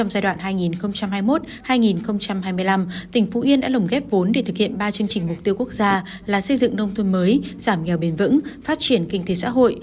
xây dựng nông thôn mới giảm nghèo bền vững phát triển kinh tế xã hội